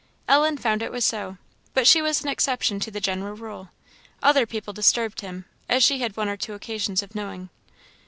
Ellen found it was so. But she was an exception to the general rule; other people disturbed him, as she had one or two occasions of knowing.